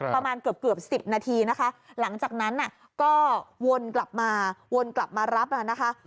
ประมาณเกือบ๑๐นาทีนะคะหลังจากนั้นก็วนกลับมาวนกลับมารับแล้วนะคะ